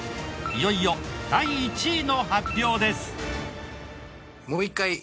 いよいよ第１位の発表です。